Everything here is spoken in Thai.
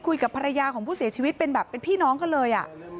คุยกับภรรยาของผู้เสียชีวิตเป็นแบบเป็นพี่น้องกันเลย